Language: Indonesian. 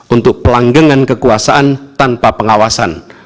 untuk pelanggangan kekuasaan tanpa pengawasan